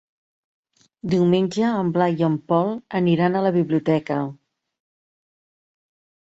Diumenge en Blai i en Pol aniran a la biblioteca.